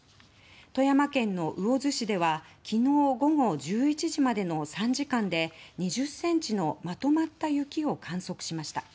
富山県の魚津市では昨日午後１１時までの３時間で２０ｃｍのまとまった雪を観測しました。